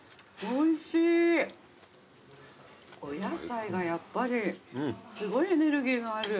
お野菜がやっぱりすごいエネルギーがある。